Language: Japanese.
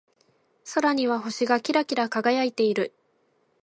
空には星がキラキラ輝いている。